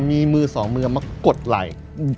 มีมือสองมือมากดไหล่